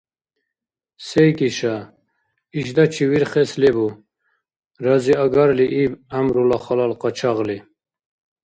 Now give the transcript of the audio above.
– СейкӀиша? Ишдачи вирхес лебу? – разиагарли иб гӀямрула халал къачагъли.